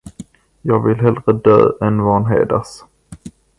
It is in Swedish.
Jag vill hellre dö än vanhedras.